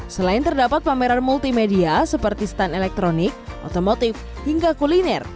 selain terdapat pameran multimedia seperti stand elektronik otomotif hingga kuliner